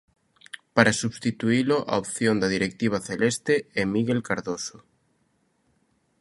Para substituílo a opción da directiva celeste é Miguel Cardoso.